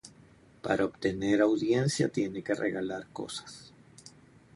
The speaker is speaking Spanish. Para obtener audiencia tiene que regalar cosas.